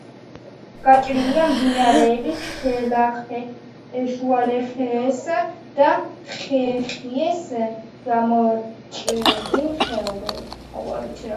გაჭრილია მდინარეების შულეხესა და ხეიხეს გამჭოლი ხეობებით.